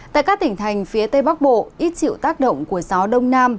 tại các tỉnh thành phía tây bắc bộ ít chịu tác động của gió đông nam